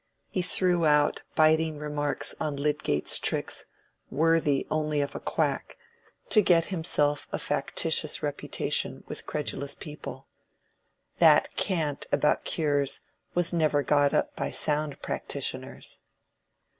He threw out biting remarks on Lydgate's tricks, worthy only of a quack, to get himself a factitious reputation with credulous people. That cant about cures was never got up by sound practitioners.